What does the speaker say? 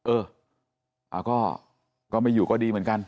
เออก็ไม่อยู่ก็ดีเหมือนกัน